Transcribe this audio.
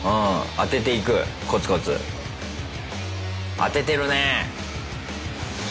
当ててるねぇ。